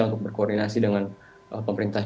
untuk berkoordinasi dengan pemerintah